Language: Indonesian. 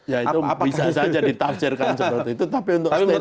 ya itu bisa saja ditafsirkan seperti itu tapi untuk statement